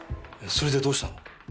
それでどうしたの？